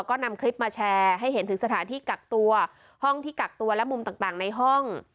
ก็นำคลิปมาแชร์ให้เห็นถึงสถานที่กักตัวห้องที่กักตัวและมุมต่างในห้อง